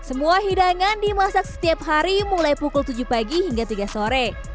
semua hidangan dimasak setiap hari mulai pukul tujuh pagi hingga tiga sore